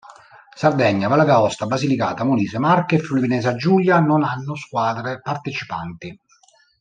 Sardegna, Valle d'Aosta, Basilicata, Molise, Marche e Friuli Venezia Giulia non hanno squadre partecipanti.